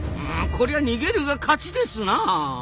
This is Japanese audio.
こりゃ逃げるが勝ちですな。